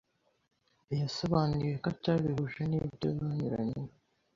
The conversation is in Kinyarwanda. Yasobanuye ko atabihuje n’ibyo banyuranyemo